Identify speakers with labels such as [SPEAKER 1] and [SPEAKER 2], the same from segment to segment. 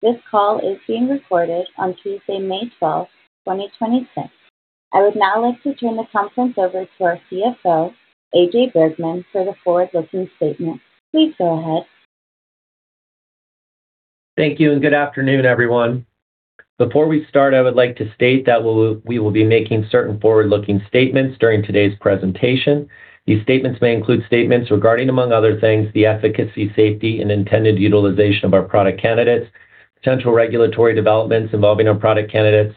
[SPEAKER 1] This call is being recorded on Tuesday, May 12th, 2026. I would now like to turn the conference over to our CFO, Anthony J. Bergmann, for the forward-looking statement. Please go ahead.
[SPEAKER 2] Thank you. Good afternoon, everyone. Before we start, I would like to state that we will be making certain forward-looking statements during today's presentation. These statements may include statements regarding, among other things, the efficacy, safety, and intended utilization of our product candidates, potential regulatory developments involving our product candidates,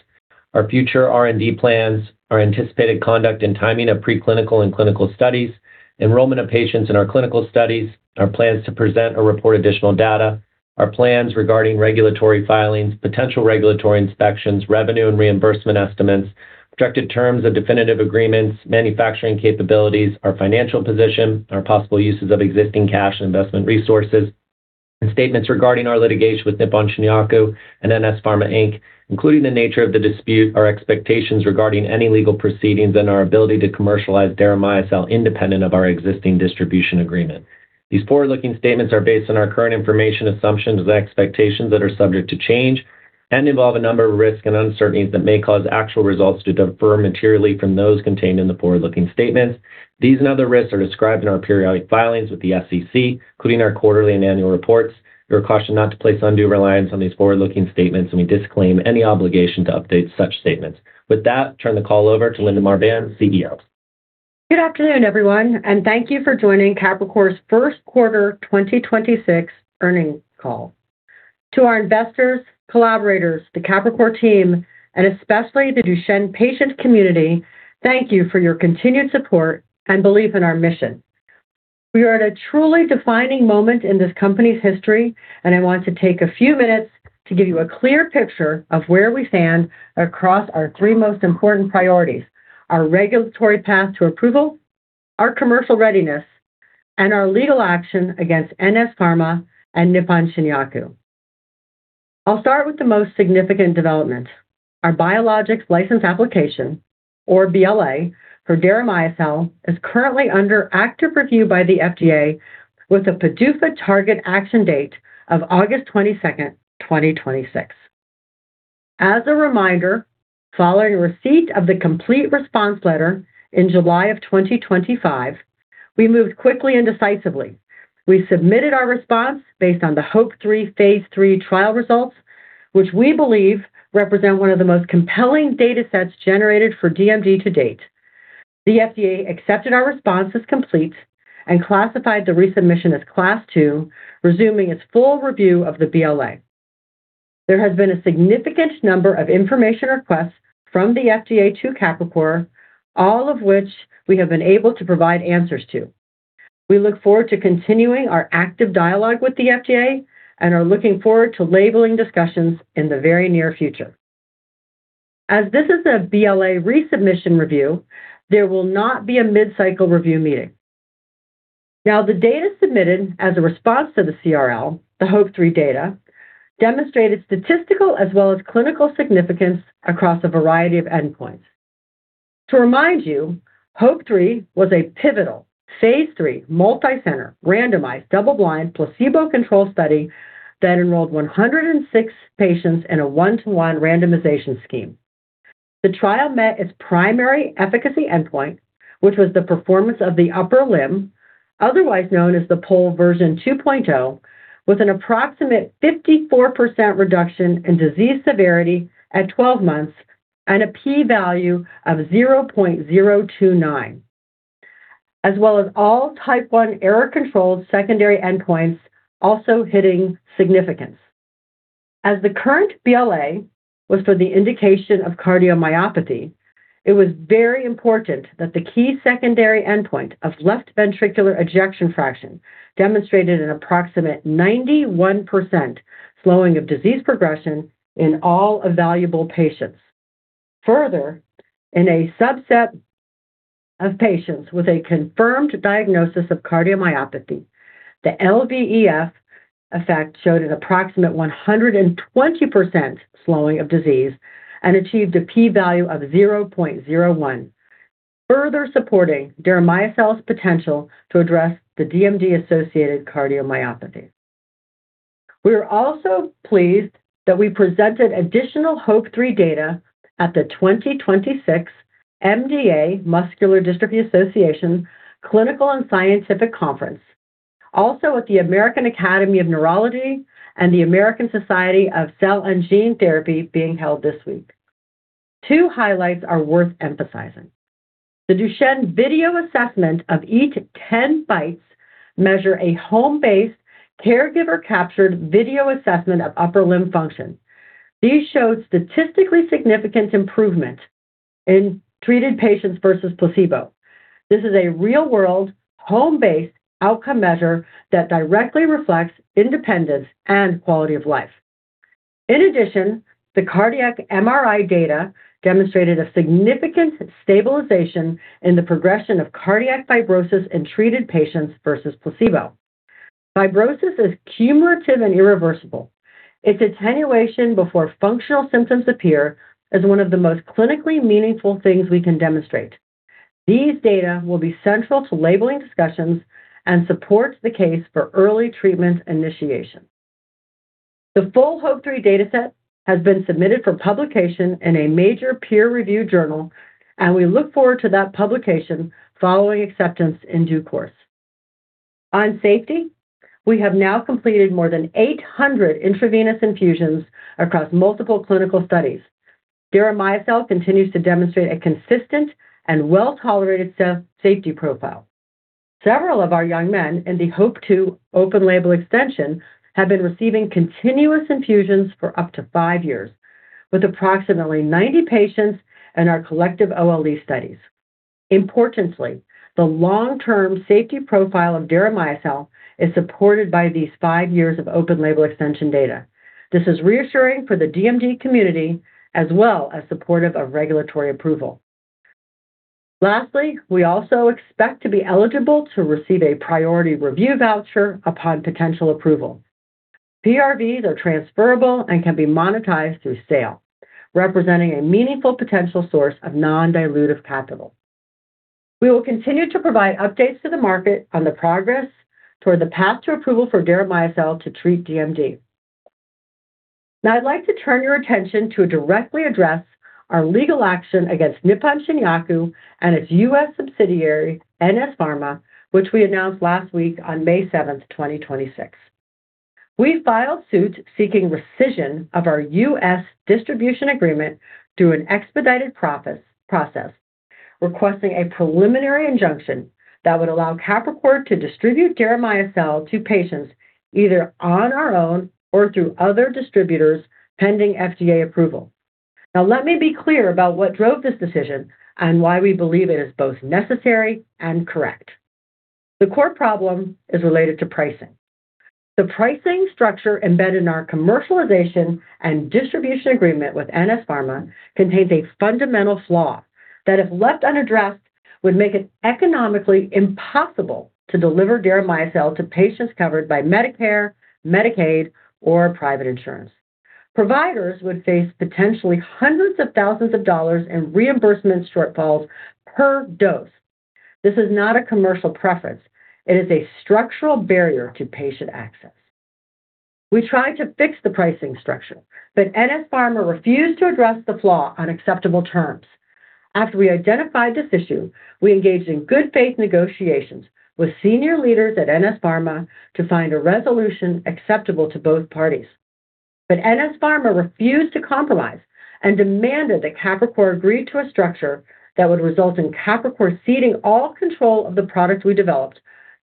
[SPEAKER 2] our future R&D plans, our anticipated conduct and timing of preclinical and clinical studies, enrollment of patients in our clinical studies, our plans to present or report additional data, our plans regarding regulatory filings, potential regulatory inspections, revenue and reimbursement estimates, projected terms of definitive agreements, manufacturing capabilities, our financial position, our possible uses of existing cash and investment resources, and statements regarding our litigation with Nippon Shinyaku and NS Pharma Inc., including the nature of the dispute, our expectations regarding any legal proceedings, and our ability to commercialize deramiocel independent of our existing distribution agreement. These forward-looking statements are based on our current information, assumptions, and expectations that are subject to change and involve a number of risks and uncertainties that may cause actual results to differ materially from those contained in the forward-looking statements. These and other risks are described in our periodic filings with the SEC, including our quarterly and annual reports. You are cautioned not to place undue reliance on these forward-looking statements, and we disclaim any obligation to update such statements. With that, turn the call over to Linda Marbán, CEO.
[SPEAKER 3] Good afternoon, everyone, thank you for joining Capricor's first quarter 2026 earnings call. To our investors, collaborators, the Capricor team, and especially the Duchenne patient community, thank you for your continued support and belief in our mission. We are at a truly defining moment in this company's history, and I want to take a few minutes to give you a clear picture of where we stand across our three most important priorities: Our regulatory path to approval, our commercial readiness, and our legal action against NS Pharma and Nippon Shinyaku. I'll start with the most significant development. Our biologics license application, or BLA for deramiocel, is currently under active review by the FDA with a PDUFA target action date of August 22nd, 2026. As a reminder, following receipt of the complete response letter in July of 2025, we moved quickly and decisively. We submitted our response based on the HOPE-3 phase III trial results, which we believe represent one of the most compelling data sets generated for DMD to date. The FDA accepted our response as complete and classified the resubmission as Class two, resuming its full review of the BLA. There has been a significant number of information requests from the FDA to Capricor, all of which we have been able to provide answers to. We look forward to continuing our active dialogue with the FDA and are looking forward to labeling discussions in the very near future. As this is a BLA resubmission review, there will not be a mid-cycle review meeting. The data submitted as a response to the CRL, the HOPE-3 data, demonstrated statistical as well as clinical significance across a variety of endpoints. To remind you, HOPE-3 was a pivotal phase III multi-center randomized double-blind placebo-controlled study that enrolled 106 patients in a one-to-one randomization scheme. The trial met its primary efficacy endpoint, which was the Performance of the Upper Limb, otherwise known as the PUL version 2.0, with an approximate 54% reduction in disease severity at 12 months and a P value of 0.029. As well as all type one error-controlled secondary endpoints also hitting significance. As the current BLA was for the indication of cardiomyopathy, it was very important that the key secondary endpoint of left ventricular ejection fraction demonstrated an approximate 91% slowing of disease progression in all evaluable patients. In a subset of patients with a confirmed diagnosis of cardiomyopathy, the LVEF effect showed an approximate 120% slowing of disease and achieved a P value of 0.01, further supporting deramiocel's potential to address the DMD-associated cardiomyopathy. We are also pleased that we presented additional HOPE-3 data at the 2026 Muscular Dystrophy Association Clinical and Scientific Conference, also at the American Academy of Neurology and the American Society of Gene & Cell Therapy being held this week. Two highlights are worth emphasizing. The Duchenne Video Assessment of Eat Ten Bites measure a home-based caregiver-captured video assessment of upper limb function. These showed statistically significant improvement in treated patients versus placebo. This is a real-world home-based outcome measure that directly reflects independence and quality of life. In addition, the cardiac MRI data demonstrated a significant stabilization in the progression of cardiac fibrosis in treated patients versus placebo. Fibrosis is cumulative and irreversible. Its attenuation before functional symptoms appear is one of the most clinically meaningful things we can demonstrate. These data will be central to labeling discussions and supports the case for early treatment initiation. The full HOPE-3 dataset has been submitted for publication in a major peer-reviewed journal, and we look forward to that publication following acceptance in due course. On safety, we have now completed more than 800 intravenous infusions across multiple clinical studies. deramiocel continues to demonstrate a consistent and well-tolerated safety profile. Several of our young men in the HOPE-2 open label extension have been receiving continuous infusions for up to five years, with approximately 90 patients in our collective OLE studies. Importantly, the long-term safety profile of deramiocel is supported by these five years of open label extension data. This is reassuring for the DMD community as well as supportive of regulatory approval. Lastly, we also expect to be eligible to receive a priority review voucher upon potential approval. PRVs are transferable and can be monetized through sale, representing a meaningful potential source of non-dilutive capital. We will continue to provide updates to the market on the progress toward the path to approval for deramiocel to treat DMD. Now I'd like to turn your attention to directly address our legal action against Nippon Shinyaku and its U.S. subsidiary, NS Pharma, which we announced last week on May 7, 2026. We filed suit seeking rescission of our U.S. distribution agreement through an expedited process, requesting a preliminary injunction that would allow Capricor to distribute deramiocel to patients either on our own or through other distributors pending FDA approval. Let me be clear about what drove this decision and why we believe it is both necessary and correct. The core problem is related to pricing. The pricing structure embedded in our commercialization and distribution agreement with NS Pharma contains a fundamental flaw that, if left unaddressed, would make it economically impossible to deliver deramiocel to patients covered by Medicare, Medicaid, or private insurance. Providers would face potentially hundreds of thousands of dollars in reimbursement shortfalls per dose. This is not a commercial preference. It is a structural barrier to patient access. We tried to fix the pricing structure. NS Pharma refused to address the flaw on acceptable terms. After we identified this issue, we engaged in good faith negotiations with senior leaders at NS Pharma to find a resolution acceptable to both parties. NS Pharma refused to compromise and demanded that Capricor agree to a structure that would result in Capricor ceding all control of the product we developed,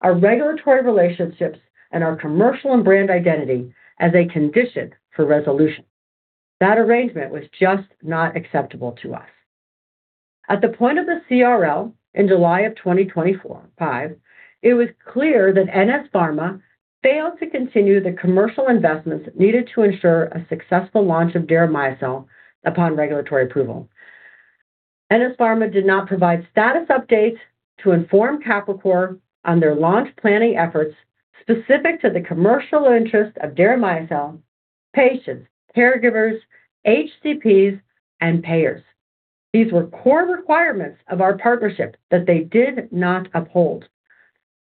[SPEAKER 3] our regulatory relationships, and our commercial and brand identity as a condition for resolution. That arrangement was just not acceptable to us. At the point of the CRL in July of 2025, it was clear that NS Pharma failed to continue the commercial investments needed to ensure a successful launch of deramiocel upon regulatory approval. NS Pharma did not provide status updates to inform Capricor on their launch planning efforts specific to the commercial interest of deramiocel patients, caregivers, HCPs, and payers. These were core requirements of our partnership that they did not uphold.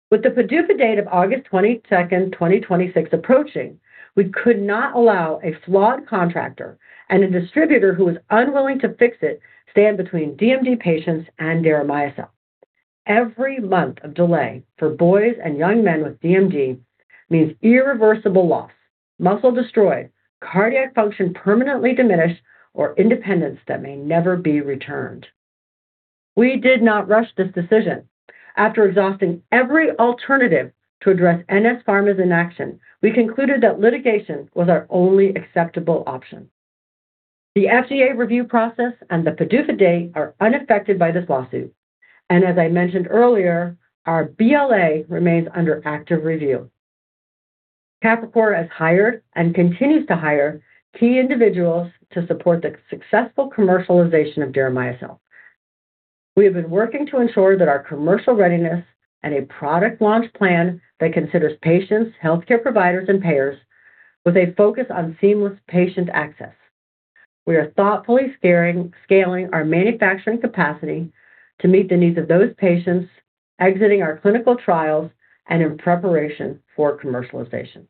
[SPEAKER 3] With the PDUFA date of August 22nd, 2026 approaching, we could not allow a flawed contractor and a distributor who was unwilling to fix it stand between DMD patients and deramiocel. Every month of delay for boys and young men with DMD means irreversible loss, muscle destroyed, cardiac function permanently diminished, or independence that may never be returned. We did not rush this decision. After exhausting every alternative to address NS Pharma's inaction, we concluded that litigation was our only acceptable option. The FDA review process and the PDUFA date are unaffected by this lawsuit. As I mentioned earlier, our BLA remains under active review. Capricor has hired and continues to hire key individuals to support the successful commercialization of deramiocel. We have been working to ensure that our commercial readiness and a product launch plan that considers patients, healthcare providers, and payers with a focus on seamless patient access. We are thoughtfully scaling our manufacturing capacity to meet the needs of those patients exiting our clinical trials and in preparation for commercialization.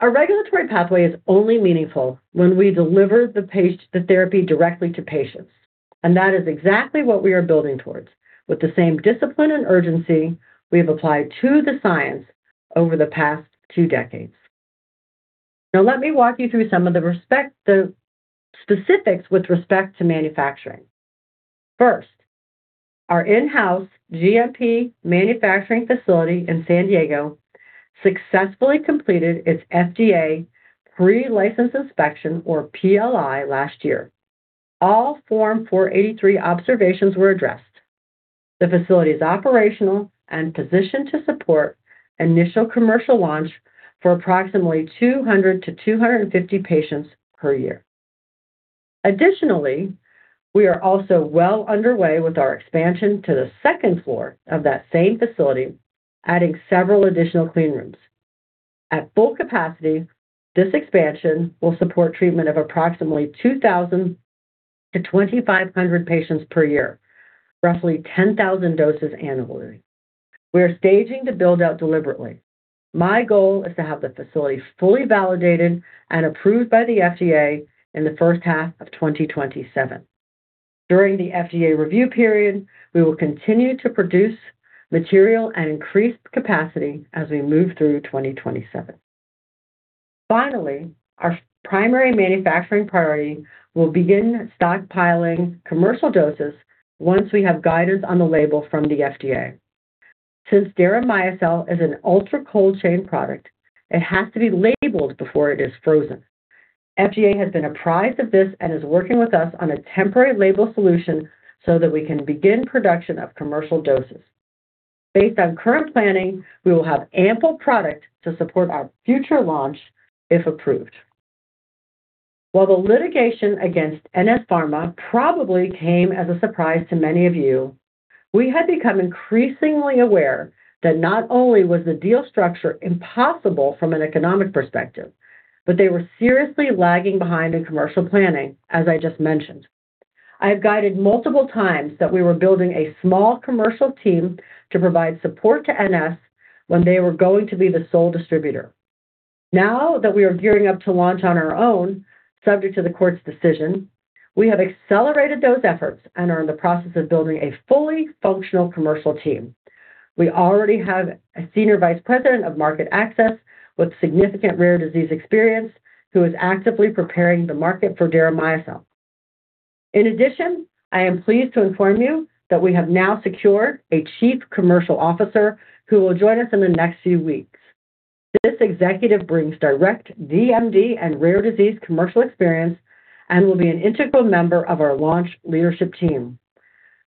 [SPEAKER 3] Our regulatory pathway is only meaningful when we deliver the therapy directly to patients, and that is exactly what we are building towards with the same discipline and urgency we have applied to the science over the past two decades. Let me walk you through some of the specifics with respect to manufacturing. First, our in-house GMP manufacturing facility in San Diego successfully completed its FDA pre-license inspection, or PLI, last year. All Form 483 observations were addressed. The facility is operational and positioned to support initial commercial launch for approximately 200 to 250 patients per year. We are also well underway with our expansion to the second floor of that same facility, adding several additional clean rooms. At full capacity, this expansion will support treatment of approximately 2,000 to 2,500 patients per year, roughly 10,000 doses annually. We are staging the build-out deliberately. My goal is to have the facility fully validated and approved by the FDA in the first half of 2027. During the FDA review period, we will continue to produce material and increase capacity as we move through 2027. Finally, our primary manufacturing priority will begin stockpiling commercial doses once we have guidance on the label from the FDA. Since deramiocel is an ultra-cold chain product, it has to be labeled before it is frozen. FDA has been apprised of this and is working with us on a temporary label solution so that we can begin production of commercial doses. Based on current planning, we will have ample product to support our future launch if approved. While the litigation against NS Pharma probably came as a surprise to many of you, we had become increasingly aware that not only was the deal structure impossible from an economic perspective, but they were seriously lagging behind in commercial planning, as I just mentioned. I have guided multiple times that we were building a small commercial team to provide support to NS when they were going to be the sole distributor. Now that we are gearing up to launch on our own, subject to the court's decision, we have accelerated those efforts and are in the process of building a fully functional commercial team. We already have a senior vice president of market access with significant rare disease experience who is actively preparing the market for deramiocel. I am pleased to inform you that we have now secured a chief commercial officer who will join us in the next few weeks. This executive brings direct DMD and rare disease commercial experience and will be an integral member of our launch leadership team.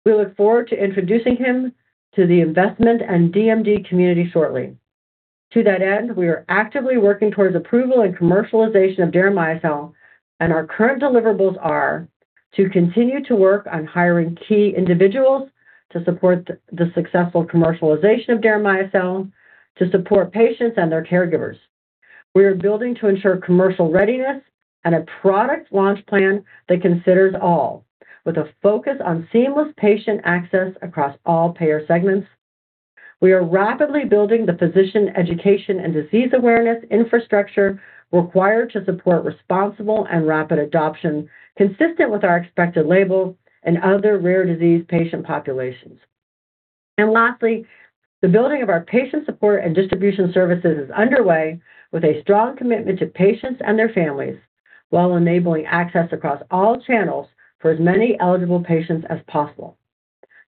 [SPEAKER 3] We look forward to introducing him to the investment and DMD community shortly. To that end, we are actively working towards approval and commercialization of deramiocel, and our current deliverables are to continue to work on hiring key individuals to support the successful commercialization of deramiocel to support patients and their caregivers. We are building to ensure commercial readiness and a product launch plan that considers all, with a focus on seamless patient access across all payer segments. We are rapidly building the physician education and disease awareness infrastructure required to support responsible and rapid adoption consistent with our expected label and other rare disease patient populations. Lastly, the building of our patient support and distribution services is underway with a strong commitment to patients and their families while enabling access across all channels for as many eligible patients as possible.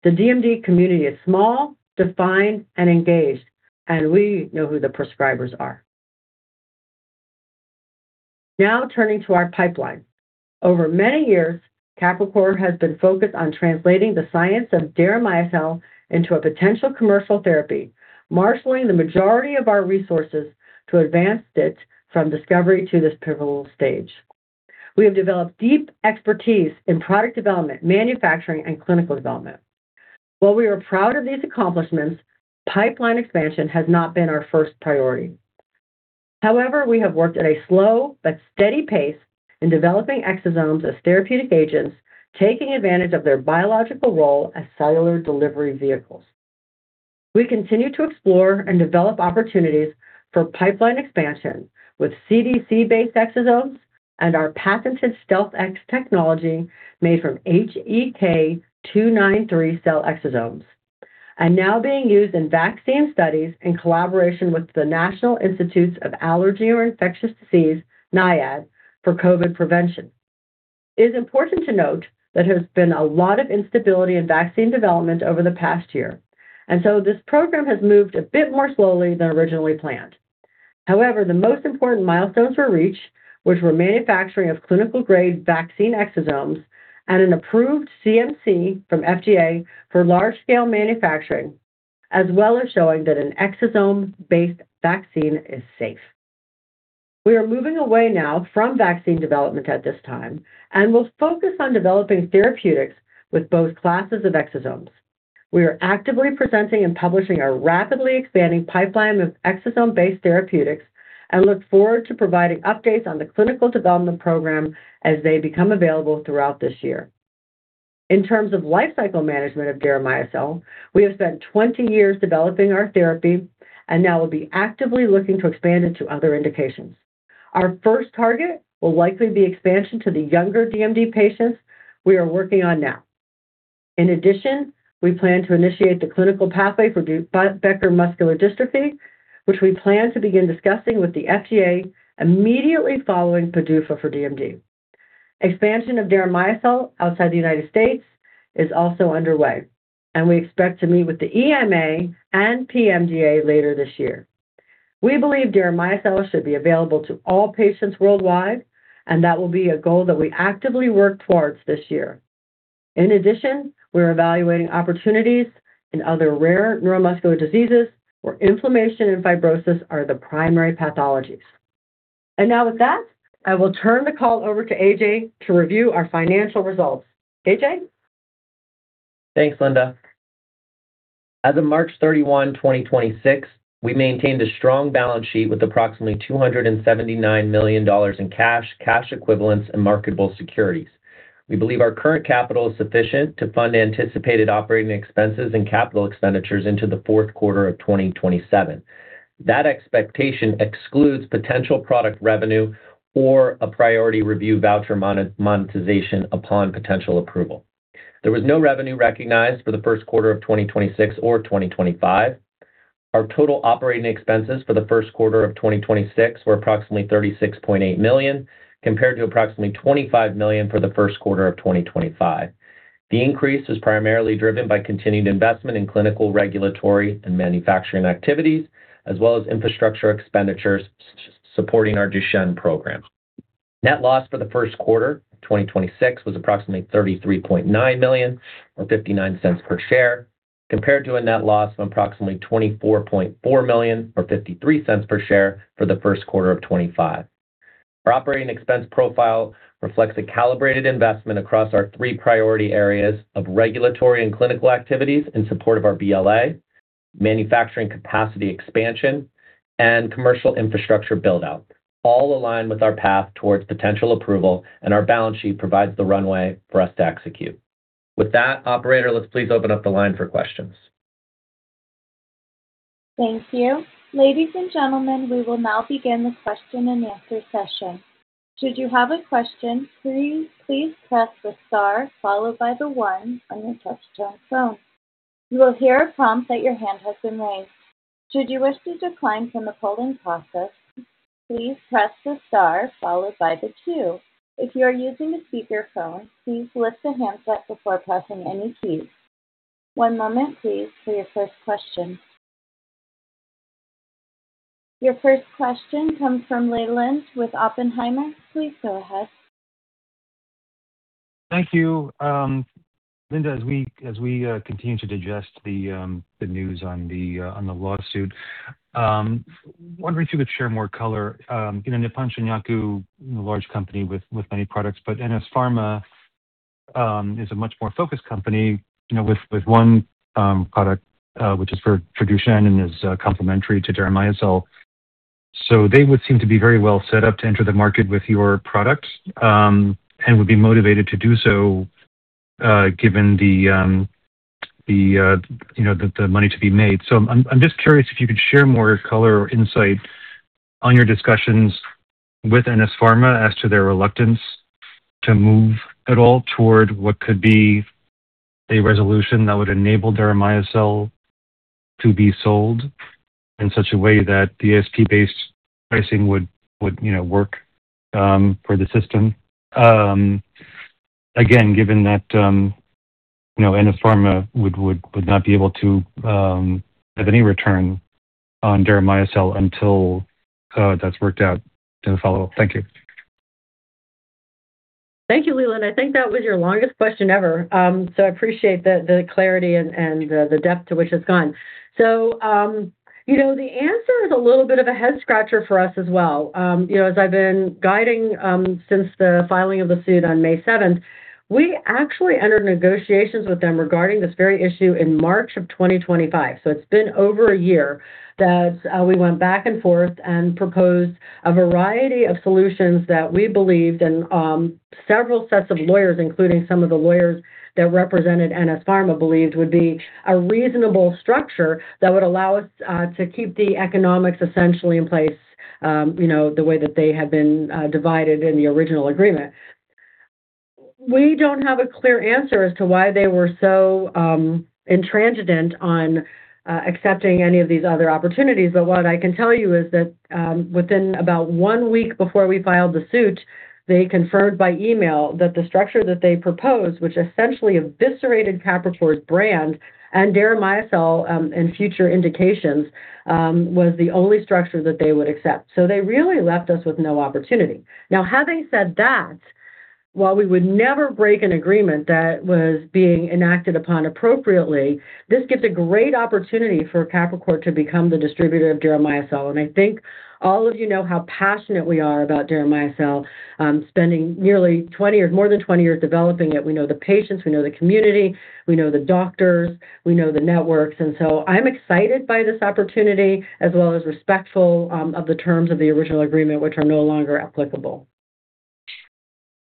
[SPEAKER 3] The DMD community is small, defined, and engaged, and we know who the prescribers are. Now turning to our pipeline. Over many years, Capricor has been focused on translating the science of deramiocel into a potential commercial therapy, marshaling the majority of our resources to advance it from discovery to this pivotal stage. We have developed deep expertise in product development, manufacturing, and clinical development. While we are proud of these accomplishments, pipeline expansion has not been our first priority. We have worked at a slow but steady pace in developing exosomes as therapeutic agents, taking advantage of their biological role as cellular delivery vehicles. We continue to explore and develop opportunities for pipeline expansion with CDC-based exosomes and our patented StealthX technology made from HEK293 cell exosomes, and now being used in vaccine studies in collaboration with the National Institute of Allergy and Infectious Diseases, NIAID, for COVID prevention. It is important to note that there has been a lot of instability in vaccine development over the past year, this program has moved a bit more slowly than originally planned. However, the most important milestones were reached, which were manufacturing of clinical-grade vaccine exosomes and an approved CMC from FDA for large-scale manufacturing, as well as showing that an exosome-based vaccine is safe. We are moving away now from vaccine development at this time and will focus on developing therapeutics with both classes of exosomes. We are actively presenting and publishing our rapidly expanding pipeline of exosome-based therapeutics and look forward to providing updates on the clinical development program as they become available throughout this year. In terms of lifecycle management of deramiocel, we have spent 20 years developing our therapy and now will be actively looking to expand into other indications. Our first target will likely be expansion to the younger DMD patients we are working on now. In addition, we plan to initiate the clinical pathway for Becker muscular dystrophy, which we plan to begin discussing with the FDA immediately following PDUFA for DMD. Expansion of deramiocel outside the United States is also underway, and we expect to meet with the EMA and PMDA later this year. We believe deramiocel should be available to all patients worldwide, and that will be a goal that we actively work towards this year. In addition, we're evaluating opportunities in other rare neuromuscular diseases where inflammation and fibrosis are the primary pathologies. And now with that, I will turn the call over to AJ to review our financial results. AJ?
[SPEAKER 2] Thanks, Linda. As of March 31, 2026, we maintained a strong balance sheet with approximately $279 million in cash equivalents, and marketable securities. We believe our current capital is sufficient to fund anticipated operating expenses and capital expenditures into the fourth quarter of 2027. That expectation excludes potential product revenue or a priority review voucher monetization upon potential approval. There was no revenue recognized for the first quarter of 2026 or 2025. Our total operating expenses for the first quarter of 2026 were approximately $36.8 million, compared to approximately $25 million for the first quarter of 2025. The increase was primarily driven by continued investment in clinical, regulatory, and manufacturing activities, as well as infrastructure expenditures supporting our Duchenne program. Net loss for the first quarter 2026 was approximately $33.9 million, or $0.59 per share, compared to a net loss of approximately $24.4 million, or $0.53 per share for the first quarter of 2025. Our operating expense profile reflects a calibrated investment across our three priority areas of regulatory and clinical activities in support of our BLA, manufacturing capacity expansion, and commercial infrastructure build-out, all aligned with our path towards potential approval, and our balance sheet provides the runway for us to execute. With that, operator, let's please open up the line for questions.
[SPEAKER 1] Thank you. Ladies and gentlemen, we will now begin the question-and-answer session. Should you have a question, please press the star followed by the one on your touch-tone phone. You will hear a prompt that your hand has been raised. Should you wish to decline from the polling process, please press the star followed by the two. If you are using a speaker phone, please lift the handset before pressing any keys. One moment, please, for your first question. Your first question comes from Leland with Oppenheimer. Please go ahead.
[SPEAKER 4] Thank you. Linda, as we continue to digest the news on the lawsuit, wondering if you could share more color. Nippon Shinyaku is a large company with many products, but NS Pharma is a much more focused company, with one product, which is for Duchenne and is complementary to deramiocel. They would seem to be very well set up to enter the market with your product, and would be motivated to do so, given the money to be made. I'm just curious if you could share more color or insight on your discussions with NS Pharma as to their reluctance to move at all toward what could be a resolution that would enable deramiocel to be sold in such a way that the ASP-based pricing would, you know, work for the system. Again, given that NS Pharma would not be able to have any return on deramiocel until that's worked out in the follow-up. Thank you.
[SPEAKER 3] Thank you, Leland. I think that was your longest question ever. I appreciate the clarity and the depth to which it's gone. The answer is a little bit of a head-scratcher for us as well. You know, as I've been guiding, since the filing of the suit on May 7th, we actually entered negotiations with them regarding this very issue in March of 2025. It's been over a year that we went back and forth and proposed a variety of solutions that we believed and, several sets of lawyers, including some of the lawyers that represented NS Pharma believed would be a reasonable structure that would allow us to keep the economics essentially in place, the way that they had been divided in the original agreement. We don't have a clear answer as to why they were so intransigent on accepting any of these other opportunities. What I can tell you is that within about one week before we filed the suit, they confirmed by email that the structure that they proposed, which essentially eviscerated Capricor's brand and deramiocel, and future indications, was the only structure that they would accept. They really left us with no opportunity. Now, having said that, while we would never break an agreement that was being enacted upon appropriately, this gives a great opportunity for Capricor to become the distributor of deramiocel. I think all of you know how passionate we are about deramiocel, spending nearly 20 years, more than 20 years developing it. We know the patients, we know the community, we know the doctors, we know the networks. I'm excited by this opportunity as well as respectful of the terms of the original agreement, which are no longer applicable.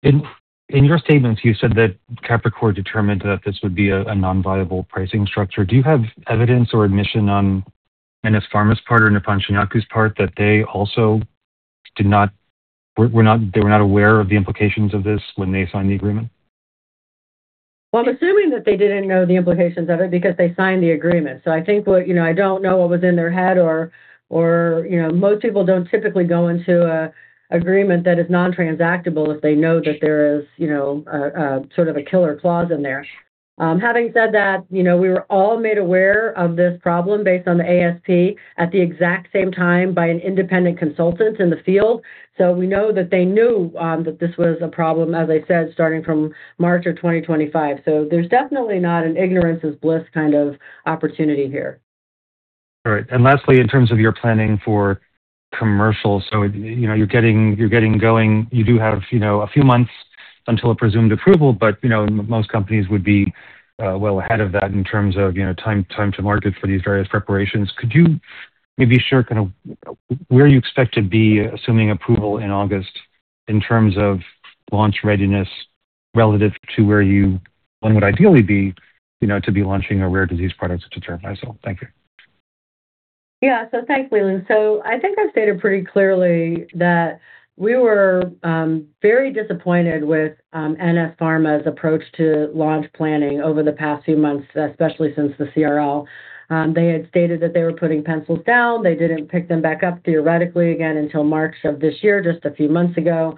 [SPEAKER 4] In your statements, you said that Capricor determined that this would be a non-viable pricing structure. Do you have evidence or admission on NS Pharma's part or Nippon Shinyaku's part that they also were not aware of the implications of this when they signed the agreement?
[SPEAKER 3] Well, I'm assuming that they didn't know the implications of it because they signed the agreement. I think what, you know, I don't know what was in their head or, most people don't typically go into an agreement that is non-transactable if they know that there is, you know, a sort of a killer clause in there. Having said that, we were all made aware of this problem based on the ASP at the exact same time by an independent consultant in the field. We know that they knew that this was a problem, as I said, starting from March of 2025. There's definitely not an ignorance is bliss kind of opportunity here.
[SPEAKER 4] All right. Lastly, in terms of your planning for commercial, you're getting going. You do have, you know, a few months until a presumed approval, but, you know, most companies would be well ahead of that in terms of time to market for these various preparations. Could you maybe share kind of where you expect to be, assuming approval in August, in terms of launch readiness relative to where one would ideally be, you know, to be launching a rare disease product such as deramiocel? Thank you.
[SPEAKER 3] Thanks, Leland. I've stated pretty clearly that we were very disappointed with NS Pharma's approach to launch planning over the past few months, especially since the CRL. They had stated that they were putting pencils down. They didn't pick them back up theoretically again until March of this year, just a few months ago.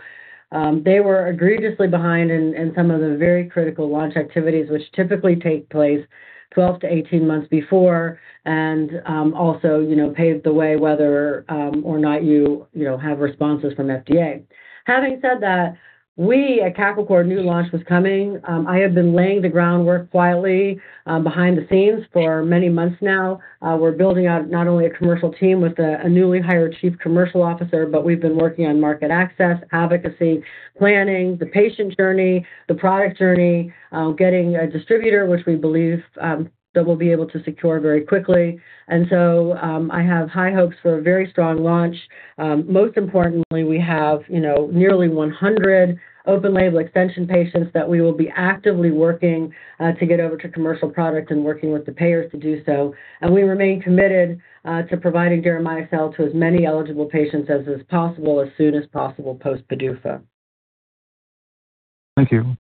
[SPEAKER 3] They were egregiously behind in some of the very critical launch activities which typically take place 12 to 18 months before and also, you know, paved the way whether or not you know, have responses from FDA. Having said that, we at Capricor knew launch was coming. I have been laying the groundwork quietly behind the scenes for many months now. We're building out not only a commercial team with a newly hired chief commercial officer, but we've been working on market access, advocacy, planning, the patient journey, the product journey, getting a distributor, which we believe that we'll be able to secure very quickly. I have high hopes for a very strong launch. Most importantly, we have, you know, nearly 100 open-label extension patients that we will be actively working to get over to commercial product and working with the payers to do so. We remain committed to providing deramiocel to as many eligible patients as is possible as soon as possible post PDUFA.
[SPEAKER 4] Thank you.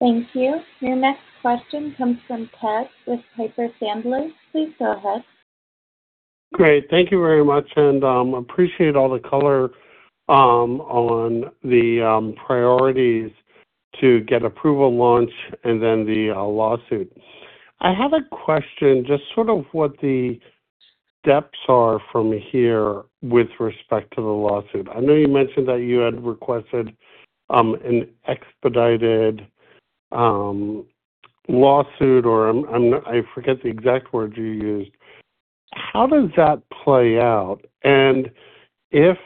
[SPEAKER 1] Thank you. Your next question comes from Ted with Piper Sandler. Please go ahead.
[SPEAKER 5] Great. Thank you very much, appreciate all the color on the priorities to get approval launch and then the lawsuit. I have a question, just sort of what the steps are from here with respect to the lawsuit. I know you mentioned that you had requested an expedited lawsuit, or I forget the exact words you used. How does that play out? If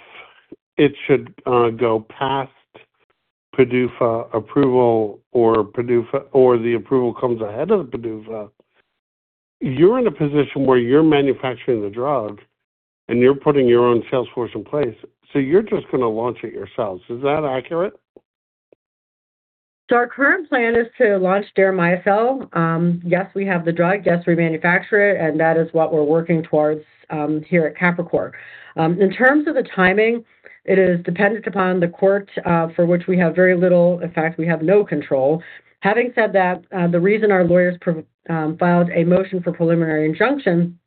[SPEAKER 5] it should go past PDUFA approval or PDUFA or the approval comes ahead of the PDUFA, you're in a position where you're manufacturing the drug, and you're putting your own sales force in place. You're just gonna launch it yourselves. Is that accurate?
[SPEAKER 3] Our current plan is to launch deramiocel. Yes, we have the drug. Yes, we manufacture it, and that is what we're working towards here at Capricor. In terms of the timing, it is dependent upon the court, for which we have very little, in fact, we have no control. Having said that, the reason our lawyers filed a motion for preliminary injunction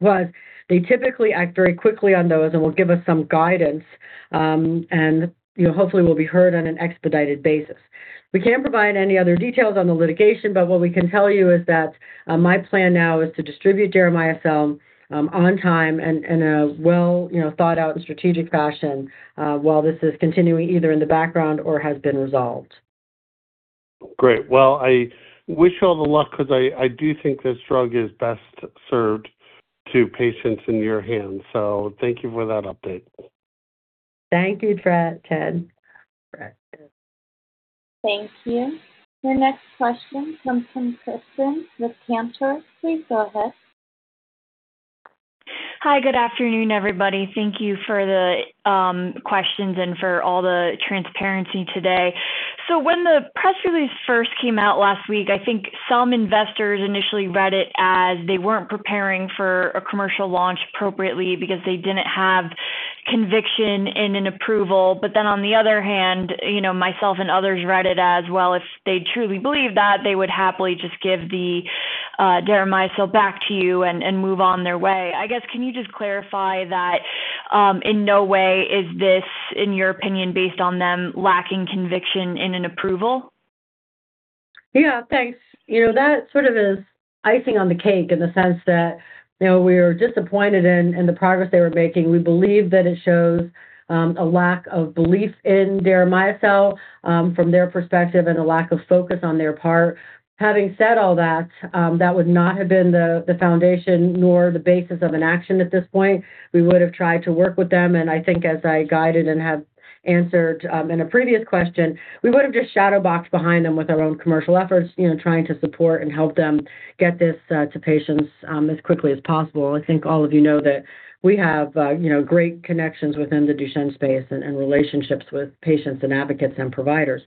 [SPEAKER 3] was they typically act very quickly on those and will give us some guidance, and, you know, hopefully will be heard on an expedited basis. We can't provide any other details on the litigation. What we can tell you is that my plan now is to distribute deramiocel on time and in a well, you know, thought out strategic fashion, while this is continuing either in the background or has been resolved.
[SPEAKER 5] Great. Well, I wish you all the luck because I do think this drug is best served to patients in your hands. Thank you for that update.
[SPEAKER 3] Thank you, Ted.
[SPEAKER 1] Thank you. Your next question comes from Kristen with Cantor. Please go ahead.
[SPEAKER 6] Hi. Good afternoon, everybody. Thank you for the questions and for all the transparency today. When the press release first came out last week, I think some investors initially read it as they weren't preparing for a commercial launch appropriately because they didn't have conviction in an approval. On the other hand, you know, myself and others read it as, well, if they truly believe that, they would happily just give the deramiocel back to you and move on their way. Can you just clarify that in no way is this, in your opinion, based on them lacking conviction in an approval?
[SPEAKER 3] Yeah. Thanks. You know, that sort of is icing on the cake in the sense that, you know, we're disappointed in the progress they were making. We believe that it shows a lack of belief in deramiocel from their perspective and a lack of focus on their part. Having said all that would not have been the foundation nor the basis of an action at this point. We would have tried to work with them, I think as I guided and have answered in a previous question, we would have just shadow boxed behind them with our own commercial efforts, you know, trying to support and help them get this to patients as quickly as possible. All of you know that we have, great connections within the Duchenne space and relationships with patients and advocates and providers.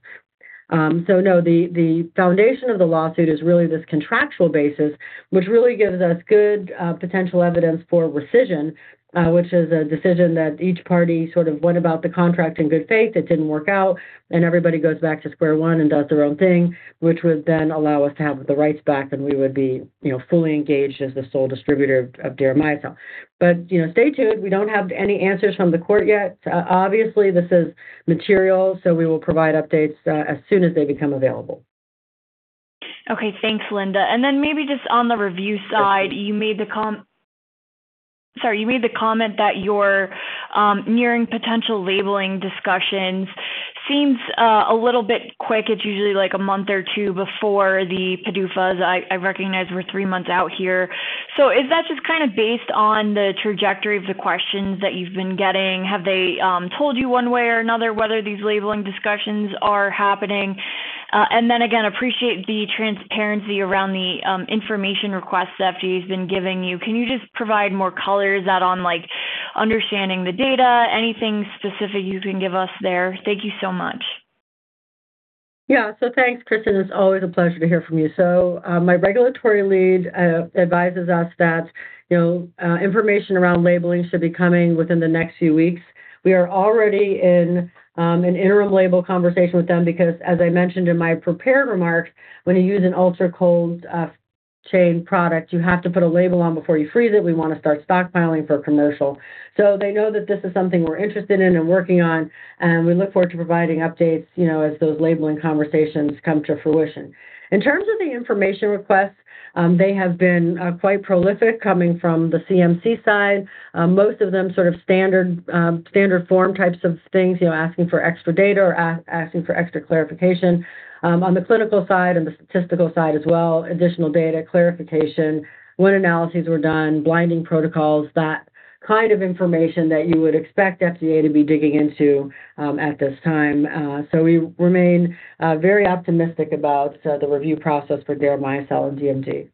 [SPEAKER 3] No, the foundation of the lawsuit is really this contractual basis, which really gives us good potential evidence for rescission, which is a decision that each party sort of went about the contract in good faith. It didn't work out, everybody goes back to square one and does their own thing, which would then allow us to have the rights back, and we would be, you know, fully engaged as the sole distributor of deramiocel. You know, stay tuned. We don't have any answers from the court yet. Obviously, this is material, we will provide updates as soon as they become available.
[SPEAKER 6] Okay. Thanks, Linda. Then maybe just on the review side, Sorry, you made the comment that you're nearing potential labeling discussions. Seems a little bit quick. It's usually, like, a month or two before the PDUFAs. I recognize we're three months out here. Is that just kind of based on the trajectory of the questions that you've been getting? Have they told you one way or another whether these labeling discussions are happening? Then again, appreciate the transparency around the information requests FDA's been giving you. Can you just provide more color to that on, like, understanding the data? Anything specific you can give us there? Thank you so much.
[SPEAKER 3] Yeah. Thanks, Kristen. It's always a pleasure to hear from you. My regulatory lead advises us that, you know, information around labeling should be coming within the next few weeks. We are already in an interim label conversation with them because, as I mentioned in my prepared remarks, when you use an ultra cold chain product, you have to put a label on before you freeze it. We want to start stockpiling for commercial. They know that this is something we're interested in and working on, and we look forward to providing updates, you know, as those labeling conversations come to fruition. In terms of the information requests, they have been quite prolific coming from the CMC side. Most of them sort of standard form types of things, you know, asking for extra data or asking for extra clarification. On the clinical side and the statistical side as well, additional data clarification, what analyses were done, blinding protocols, that kind of information that you would expect FDA to be digging into, at this time. We remain very optimistic about the review process for deramiocel and DMD.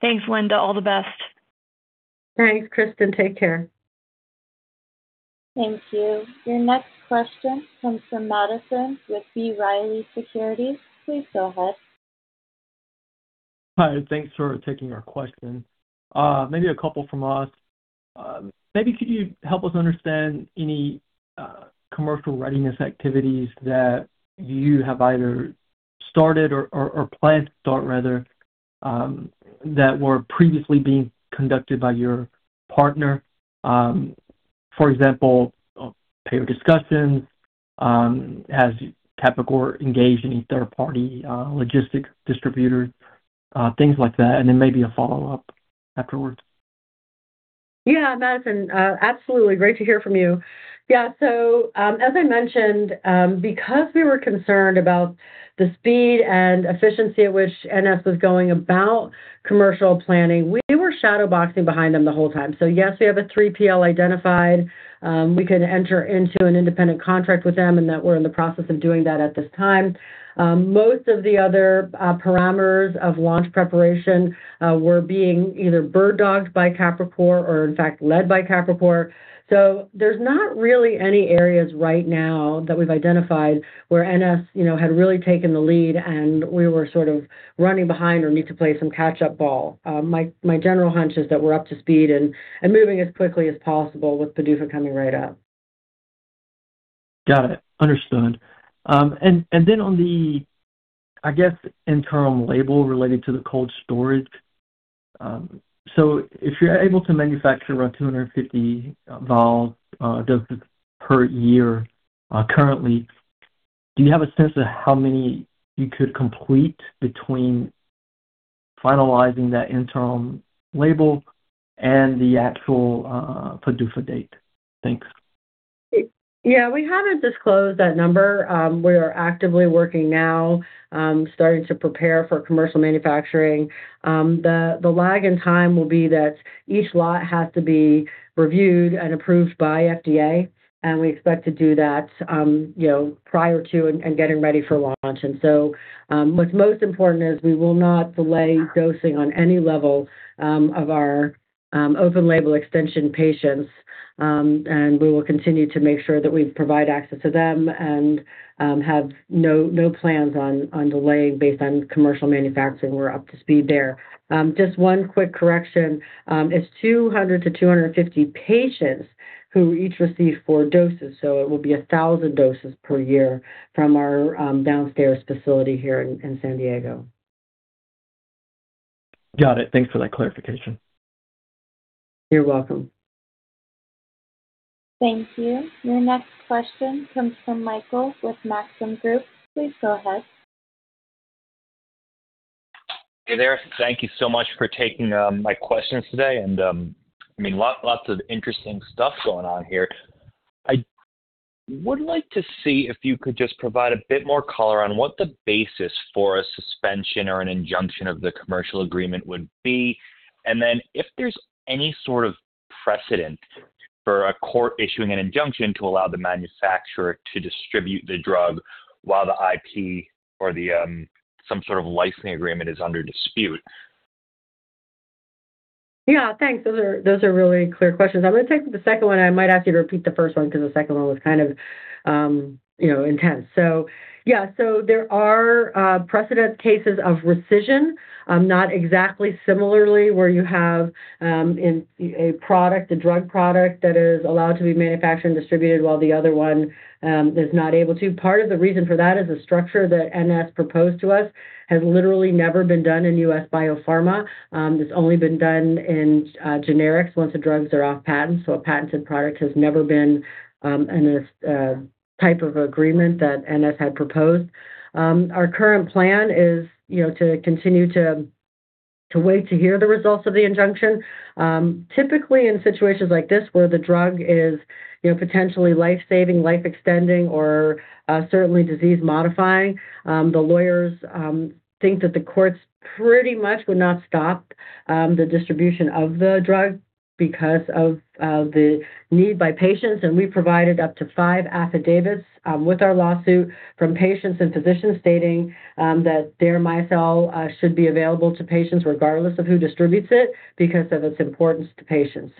[SPEAKER 6] Thanks, Linda. All the best.
[SPEAKER 3] Thanks, Kristen. Take care.
[SPEAKER 1] Thank you. Your next question comes from Madison with B. Riley Securities. Please go ahead.
[SPEAKER 7] Hi, thanks for taking our question. Maybe a couple from us. Maybe could you help us understand any commercial readiness activities that you have either started or plan to start rather, that were previously being conducted by your partner? For example, payer discussions, has Capricor engaged any third-party logistic distributors, things like that? Maybe a follow-up afterwards.
[SPEAKER 3] Madison, absolutely. Great to hear from you. As I mentioned, because we were concerned about the speed and efficiency at which NS was going about commercial planning, we were shadow boxing behind them the whole time. Yes, we have a 3PL identified, we can enter into an independent contract with them and that we're in the process of doing that at this time. Most of the other parameters of launch preparation were being either bird-dogged by Capricor or in fact led by Capricor. There's not really any areas right now that we've identified where NS, you know, had really taken the lead and we were sort of running behind or need to play some catch-up ball. My general hunch is that we're up to speed and moving as quickly as possible with PDUFA coming right up.
[SPEAKER 7] Got it. Understood. On the interim label related to the cold storage. If you're able to manufacture around 250 vials, doses per year, currently, do you have a sense of how many you could complete between finalizing that interim label and the actual PDUFA date? Thanks.
[SPEAKER 3] Yeah, we haven't disclosed that number. We are actively working now, starting to prepare for commercial manufacturing. The lag in time will be that each lot has to be reviewed and approved by FDA, and we expect to do that, you know, prior to and getting ready for launch. What's most important is we will not delay dosing on any level of our open label extension patients. We will continue to make sure that we provide access to them and have no plans on delaying based on commercial manufacturing. We're up to speed there. Just one quick correction. It's 200 to 250 patients who each receive four doses, so it will be 1,000 doses per year from our downstairs facility here in San Diego.
[SPEAKER 7] Got it. Thanks for that clarification.
[SPEAKER 3] You're welcome.
[SPEAKER 1] Thank you. Your next question comes from Michael with Maxim Group. Please go ahead.
[SPEAKER 8] Hey there. Thank you so much for taking my questions today. I mean, lots of interesting stuff going on here. I would like to see if you could just provide a bit more color on what the basis for a suspension or an injunction of the commercial agreement would be. If there's any sort of precedent for a court issuing an injunction to allow the manufacturer to distribute the drug while the IP or the some sort of licensing agreement is under dispute.
[SPEAKER 3] Yeah, thanks. Those are really clear questions. I'm gonna take the second one. I might ask you to repeat the first one because the second one was kind of, intense. Yeah. There are precedent cases of rescission, not exactly similarly where you have in a product, a drug product that is allowed to be manufactured and distributed while the other one is not able to. Part of the reason for that is the structure that NS proposed to us has literally never been done in U.S. biopharma. It's only been done in generics once the drugs are off patent. A patented product has never been in this type of agreement that NS had proposed. Our current plan is, you know, to continue to wait to hear the results of the injunction. Typically in situations like this where the drug is, you know, potentially life-saving, life-extending, or certainly disease modifying, the lawyers think that the courts pretty much would not stop the distribution of the drug because of the need by patients. We provided up to five affidavits with our lawsuit from patients and physicians stating that deramiocel should be available to patients regardless of who distributes it because of its importance to patients.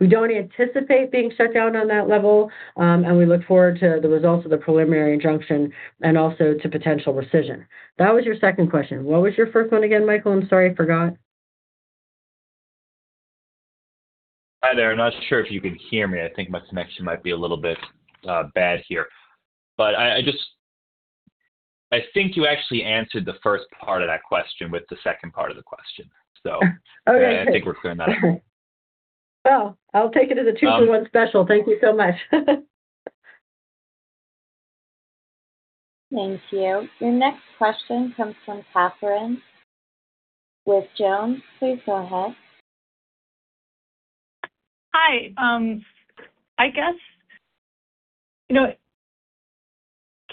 [SPEAKER 3] We don't anticipate being shut down on that level, and we look forward to the results of the preliminary injunction and also to potential rescission. That was your second question. What was your first one again, Michael? I'm sorry, I forgot.
[SPEAKER 8] Hi there. I'm not sure if you can hear me. I think my connection might be a little bit bad here. I just I think you actually answered the first part of that question with the second part of the question.
[SPEAKER 3] Oh, okay.
[SPEAKER 8] I think we're clear on that.
[SPEAKER 3] Well, I'll take it as a two-for-one special. Thank you so much.
[SPEAKER 1] Thank you. Your next question comes from Catherine with JonesTrading. Please go ahead.
[SPEAKER 9] Hi.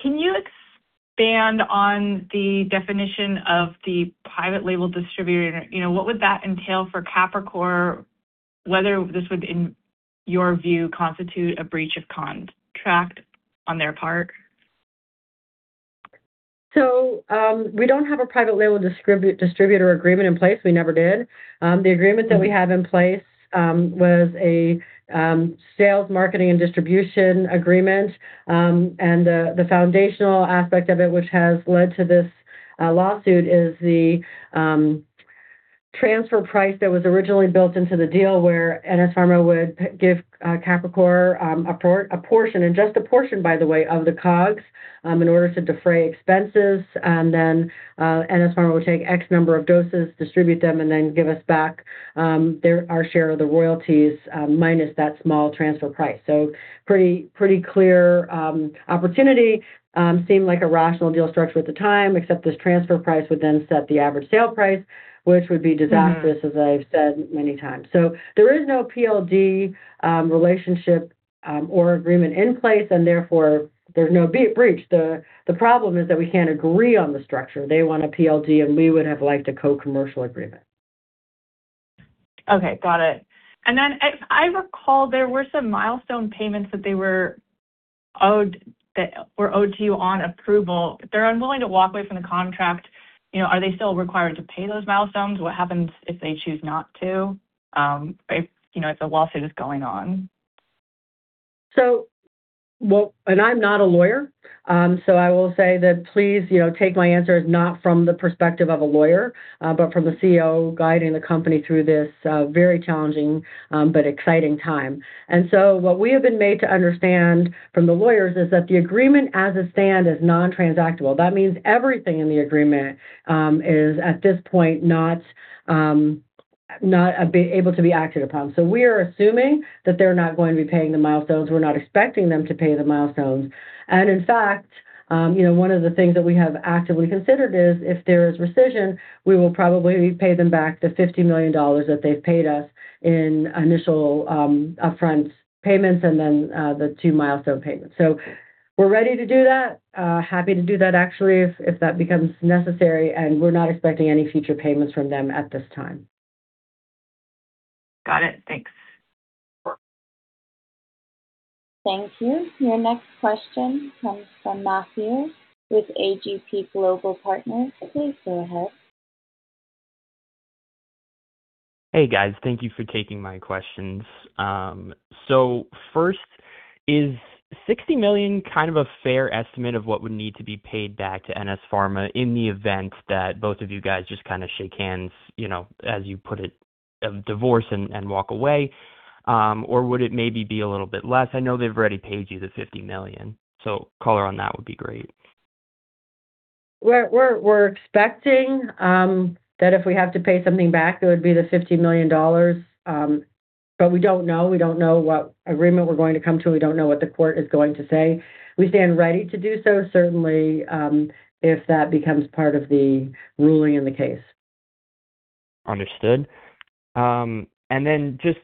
[SPEAKER 9] Can you expand on the definition of the private label distributor? What would that entail for Capricor? Whether this would, in your view, constitute a breach of contract on their part?
[SPEAKER 3] We don't have a private label distributor agreement in place. We never did. The agreement that we have in place was a sales, marketing, and distribution agreement. The foundational aspect of it, which has led to this lawsuit, is the transfer price that was originally built into the deal where NS Pharma would give Capricor a portion, and just a portion, by the way, of the COGS, in order to defray expenses. Then NS Pharma would take X number of doses, distribute them, and then give us back their, our share of the royalties, minus that small transfer price. Pretty, pretty clear opportunity. Seemed like a rational deal structure at the time, except this transfer price would then set the average sale price, which would be disastrous, as I've said many times. There is no PLD relationship or agreement in place, and therefore there's no breach. The problem is that we can't agree on the structure. They want a PLD, and we would have liked a co-commercial agreement.
[SPEAKER 9] Okay. Got it. If I recall, there were some milestone payments that they were owed, that were owed to you on approval. If they're unwilling to walk away from the contract, you know, are they still required to pay those milestones? What happens if they choose not to, if the lawsuit is going on?
[SPEAKER 3] Well, and I'm not a lawyer, so I will say that please, you know, take my answers not from the perspective of a lawyer, but from the CEO guiding the company through this very challenging, but exciting time. What we have been made to understand from the lawyers is that the agreement as it stand is non-transactable. That means everything in the agreement is at this point not able to be acted upon. We are assuming that they're not going to be paying the milestones. We're not expecting them to pay the milestones. In fact, you know, one of the things that we have actively considered is if there is rescission, we will probably pay them back the $50 million that they've paid us in initial upfront payments and then the two milestone payments. We're ready to do that. Happy to do that actually, if that becomes necessary. We're not expecting any future payments from them at this time.
[SPEAKER 9] Got it. Thanks.
[SPEAKER 1] Thank you. Your next question comes from Matthew with AGP Global Partners. Please go ahead.
[SPEAKER 10] Hey, guys. Thank you for taking my questions. First, is $60 million kind of a fair estimate of what would need to be paid back to NS Pharma in the event that both of you guys just kinda shake hands, you know, as you put it, divorce and walk away? Would it maybe be a little bit less? I know they've already paid you the $50 million, so color on that would be great.
[SPEAKER 3] We're expecting that if we have to pay something back, it would be the $50 million. We don't know. We don't know what agreement we're going to come to. We don't know what the court is going to say. We stand ready to do so, certainly, if that becomes part of the ruling in the case.
[SPEAKER 10] Understood. Then just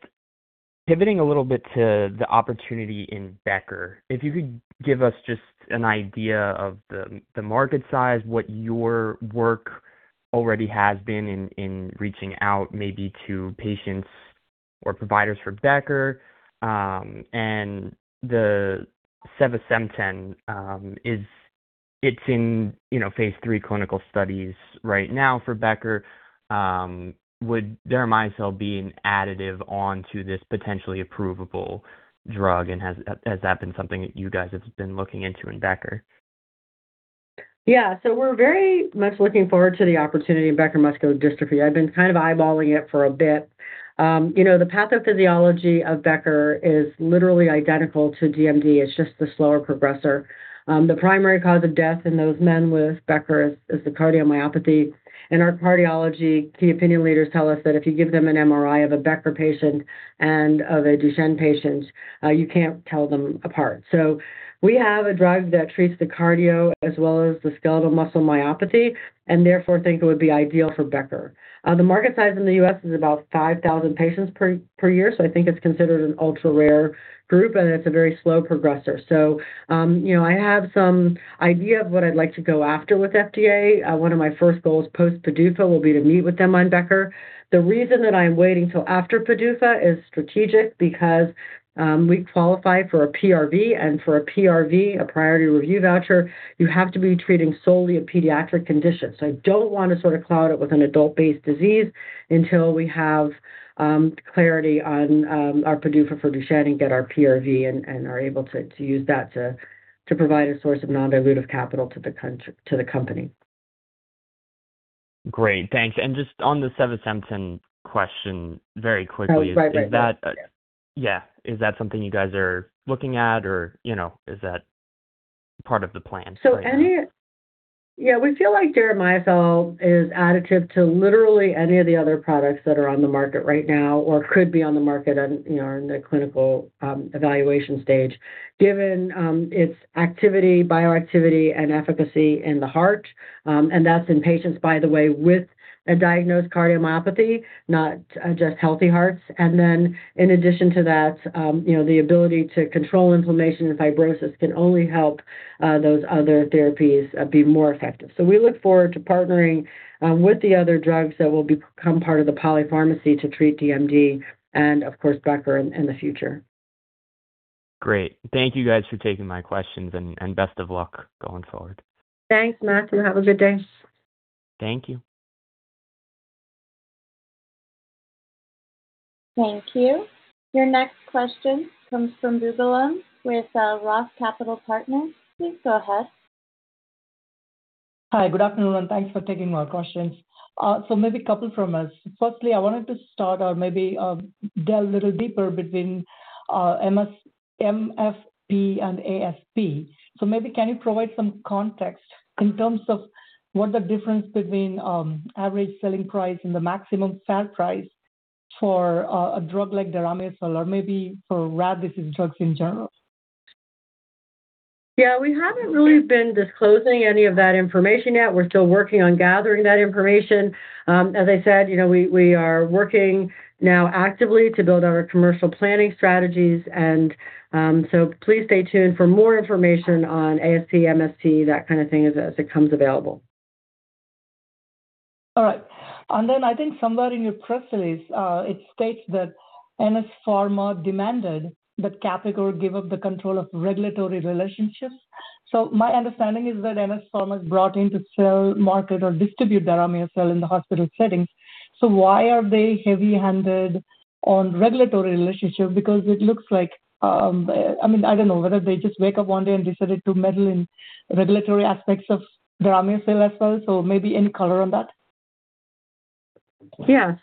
[SPEAKER 10] pivoting a little bit to the opportunity in Becker. If you could give us just an idea of the market size, what your work already has been in reaching out maybe to patients or providers for Becker. The sevasemten is it's in, you know, phase III clinical studies right now for Becker. Would deramiocel be an additive onto this potentially approvable drug? Has that been something that you guys have been looking into in Becker?
[SPEAKER 3] Yeah. We're very much looking forward to the opportunity in Becker muscular dystrophy. I've been kind of eyeballing it for a bit. You know, the pathophysiology of Becker is literally identical to DMD, it's just a slower progressor. The primary cause of death in those men with Becker is the cardiomyopathy. In our cardiology, key opinion leaders tell us that if you give them an MRI of a Becker patient and of a Duchenne patient, you can't tell them apart. We have a drug that treats the cardio as well as the skeletal muscle myopathy, and therefore think it would be ideal for Becker. The market size in the U.S. is about 5,000 patients per year. I think it's considered an ultra-rare group, and it's a very slow progressor. You know, I have some idea of what I'd like to go after with FDA. One of my first goals post-PDUFA will be to meet with them on Becker. The reason that I'm waiting till after PDUFA is strategic because we qualify for a PRV, and for a PRV, a priority review voucher, you have to be treating solely a pediatric condition. I don't wanna sort of cloud it with an adult-based disease until we have clarity on our PDUFA for Duchenne and get our PRV and are able to use that to provide a source of non-dilutive capital to the company.
[SPEAKER 10] Great. Thanks. Just on the sevasemten question very quickly.
[SPEAKER 3] Oh, right, right.
[SPEAKER 10] Is that Yeah. Is that something you guys are looking at or, is that part of the plan right now?
[SPEAKER 3] We feel like deramiocel is additive to literally any of the other products that are on the market right now or could be on the market and, are in the clinical evaluation stage, given its activity, bioactivity and efficacy in the heart. And that's in patients, by the way, with a diagnosed cardiomyopathy, not just healthy hearts. In addition to that, you know, the ability to control inflammation and fibrosis can only help those other therapies be more effective. We look forward to partnering with the other drugs that will become part of the polypharmacy to treat DMD and of course, Becker in the future.
[SPEAKER 10] Great. Thank you guys for taking my questions and best of luck going forward.
[SPEAKER 3] Thanks, Matt, and have a good day.
[SPEAKER 10] Thank you.
[SPEAKER 1] Thank you. Your next question comes from Boobalan with, ROTH Capital Partners. Please go ahead.
[SPEAKER 11] Hi, good afternoon, and thanks for taking my questions. Maybe a couple from us. Firstly, I wanted to start or maybe delve a little deeper between MFP and ASP. Maybe can you provide some context in terms of what the difference between average selling price and the maximum set price for a drug like deramiocel or maybe for rare disease drugs in general?
[SPEAKER 3] Yeah, we haven't really been disclosing any of that information yet. We're still working on gathering that information. As I said, we are working now actively to build our commercial planning strategies. Please stay tuned for more information on ASP, MSP, that kind of thing as it comes available.
[SPEAKER 11] All right. I think somewhere in your press release, it states that NS Pharma demanded that Capricor give up the control of regulatory relationships. My understanding is that NS Pharma is brought in to sell, market or distribute deramiocel in the hospital settings. Why are they heavy-handed on regulatory relationship? Because it looks like, I mean, I don't know whether they just wake up one day and decided to meddle in regulatory aspects of deramiocel as well. Maybe any color on that?
[SPEAKER 3] Yeah.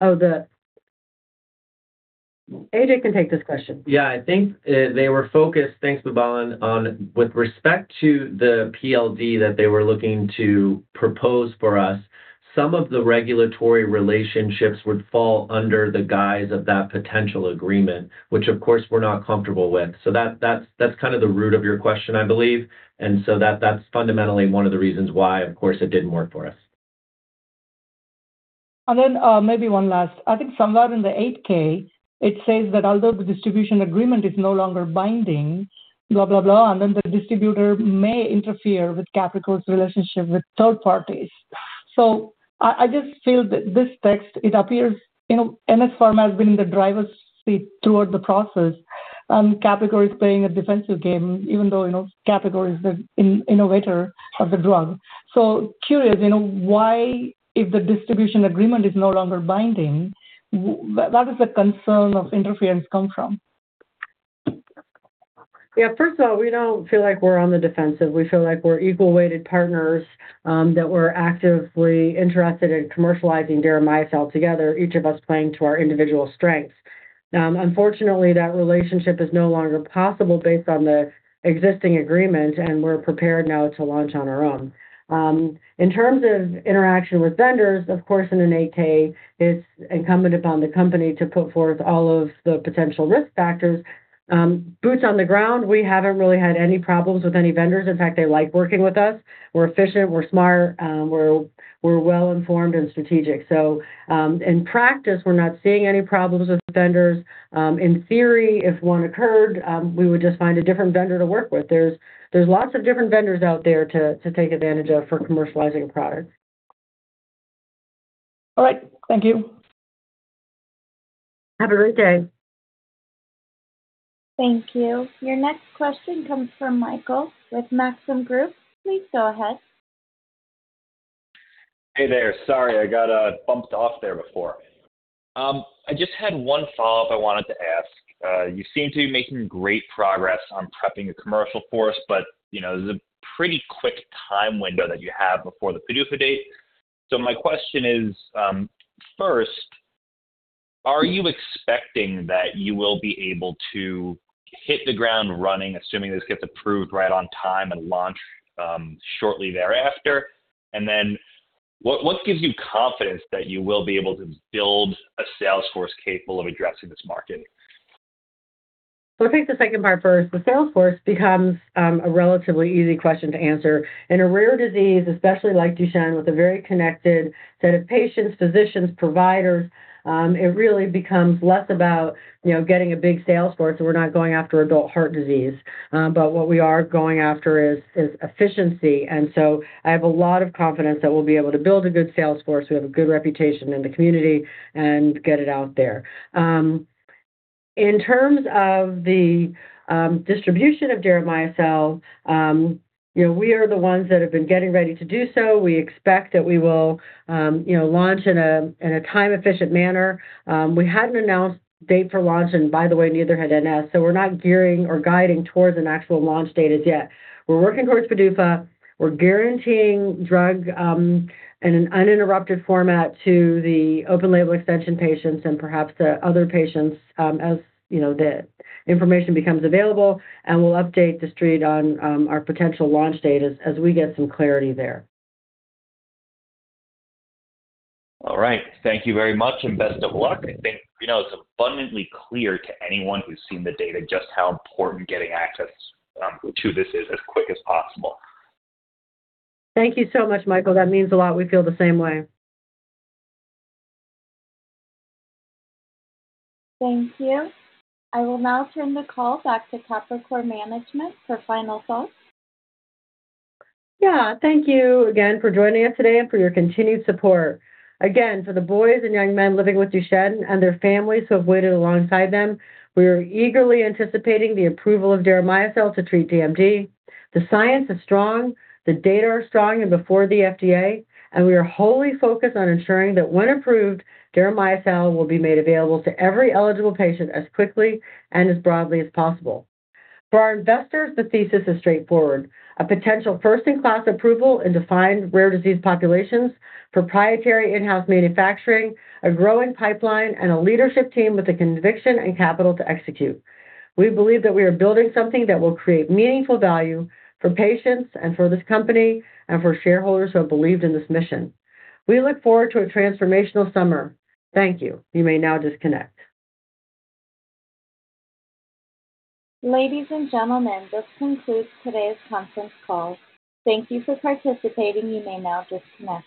[SPEAKER 3] Oh, the AJ can take this question.
[SPEAKER 2] Yeah. I think, they were focused, thanks, Boobalan, on with respect to the PLD that they were looking to propose for us, some of the regulatory relationships would fall under the guise of that potential agreement, which of course we're not comfortable with. That's kind of the root of your question, I believe. That's fundamentally one of the reasons why, of course, it didn't work for us.
[SPEAKER 11] Then, maybe one last. I think somewhere in the 8-K it says that although the distribution agreement is no longer binding, blah, blah, then the distributor may interfere with Capricor's relationship with third parties. I just feel that this text, it appears, you know, NS Pharma has been in the driver's seat throughout the process, Capricor is playing a defensive game even though Capricor is the innovator of the drug. Curious why, if the distribution agreement is no longer binding, where does the concern of interference come from?
[SPEAKER 3] Yeah. First of all, we don't feel like we're on the defensive. We feel like we're equal weighted partners, that we're actively interested in commercializing deramiocel together, each of us playing to our individual strengths. Unfortunately, that relationship is no longer possible based on the existing agreement, and we're prepared now to launch on our own. In terms of interaction with vendors, of course, in an 8-K, it's incumbent upon the company to put forth all of the potential risk factors. Boots on the ground, we haven't really had any problems with any vendors. In fact, they like working with us. We're efficient, we're smart, we're well-informed and strategic. In practice, we're not seeing any problems with vendors. In theory, if one occurred, we would just find a different vendor to work with. There's lots of different vendors out there to take advantage of for commercializing a product.
[SPEAKER 11] All right. Thank you.
[SPEAKER 3] Have a great day.
[SPEAKER 1] Thank you. Your next question comes from Michael with Maxim Group. Please go ahead.
[SPEAKER 8] Hey there. Sorry, I got bumped off there before. I just had one follow-up I wanted to ask. You seem to be making great progress on prepping a commercial for us, but, you know, there's a pretty quick time window that you have before the PDUFA date. My question is, first, are you expecting that you will be able to hit the ground running, assuming this gets approved right on time and launch shortly thereafter? What gives you confidence that you will be able to build a sales force capable of addressing this market?
[SPEAKER 3] I'll take the second part first. The sales force becomes a relatively easy question to answer. In a rare disease, especially like Duchenne, with a very connected set of patients, physicians, providers, it really becomes less about, you know, getting a big sales force, so we're not going after adult heart disease. What we are going after is efficiency. I have a lot of confidence that we'll be able to build a good sales force. We have a good reputation in the community and get it out there. In terms of the distribution of deramiocel, you know, we are the ones that have been getting ready to do so. We expect that we will, launch in a, in a time efficient manner. We hadn't announced date for launch, and by the way, neither had NS, so we're not gearing or guiding towards an actual launch date as yet. We're working towards PDUFA. We're guaranteeing drug in an uninterrupted format to the open label extension patients and perhaps the other patients, as, you know, the information becomes available, and we'll update the street on our potential launch date as we get some clarity there.
[SPEAKER 8] All right. Thank you very much, and best of luck. I think, you know, it's abundantly clear to anyone who's seen the data just how important getting access to this is as quick as possible.
[SPEAKER 3] Thank you so much, Michael. That means a lot. We feel the same way.
[SPEAKER 1] Thank you. I will now turn the call back to Capricor management for final thoughts.
[SPEAKER 3] Yeah. Thank you again for joining us today and for your continued support. Again, for the boys and young men living with Duchenne and their families who have waited alongside them, we are eagerly anticipating the approval of deramiocel to treat DMD. The science is strong, the data are strong and before the FDA. We are wholly focused on ensuring that when approved, deramiocel will be made available to every eligible patient as quickly and as broadly as possible. For our investors, the thesis is straightforward: a potential first-in-class approval in defined rare disease populations, proprietary in-house manufacturing, a growing pipeline, and a leadership team with the conviction and capital to execute. We believe that we are building something that will create meaningful value for patients and for this company and for shareholders who have believed in this mission. We look forward to a transformational summer. Thank you.
[SPEAKER 1] You may now disconnect. Ladies and gentlemen, this concludes today's conference call. Thank you for participating. You may now disconnect.